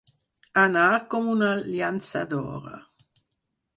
Anar com una llançadora.